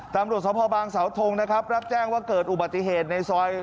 ตำรวจสภบางสาวทงนะครับรับแจ้งว่าเกิดอุบัติเหตุในซอย